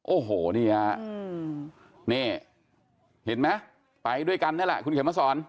โอ้โหเนี่ยนี่เห็นมั้ยไปด้วยกันนั่นแหละคุณเขมสร